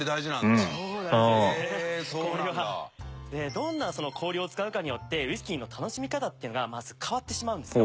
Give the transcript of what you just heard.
どんな氷を使うかによってウイスキーの楽しみ方っていうのがまず変わってしまうんですよ。